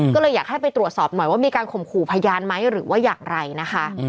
ก็เลยอยากให้ไปตรวจสอบหน่อยว่ามีการข่มขู่พยานไหมหรือว่าอย่างไรนะคะ